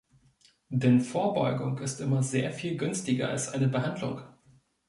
Denn Vorbeugung ist immer sehr viel günstiger als eine Behandlung.